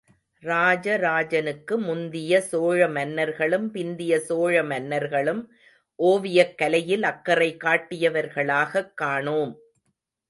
ராஜராஜனுக்கு முந்திய சோழ மன்னர்களும் பிந்திய சோழ மன்னர்களும் ஓவியக் கலையில் அக்கறை காட்டியவர்களாகக் காணோம்.